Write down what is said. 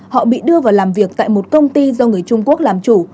họ bị đưa vào làm việc tại một công ty do người trung quốc làm chủ